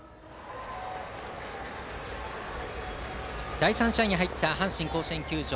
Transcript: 第３試合に入った阪神甲子園球場。